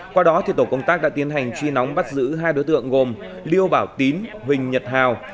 qua đó tổ công tác đã tiến hành truy nóng bắt giữ hai đối tượng gồm liêu bảo tín huỳnh nhật hào